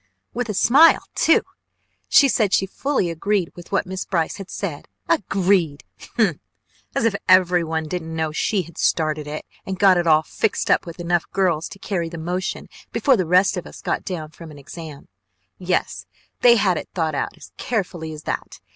With a SMILE, too! She said she fully agreed with what Miss Brice had said. Agreed! H'm! As if every one didn't know she had started it, and got it all fixed up with enough girls to carry the motion before the rest of us got down from an exam. Yes, they had it thought out as carefully as that!